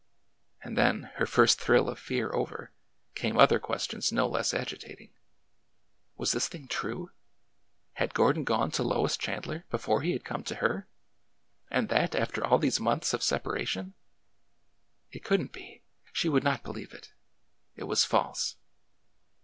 And then, her first thrill of fear over, came other questions no less agitating. ... Was this thing true? Had Gordon gone to Lois Chand ler before he had come to her? and that after all these months of separatfen ?... It could n't be ! She would not believe it! It was false!